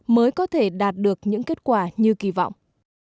sẽ đạt được những kết quả như kỳ vọng